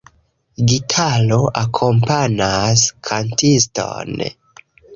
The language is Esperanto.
Gitaro akompanas kantiston.